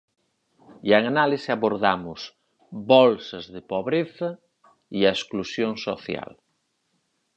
E en Análise abordamos 'Bolsas de pobreza e exclusión social'.